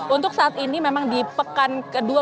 untuk saat ini memang di pekan kedua